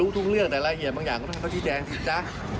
รู้ทุกเรื่องแต่รายเหตุบางอย่างก็ให้เขาคิดแจงสิจ๊ะ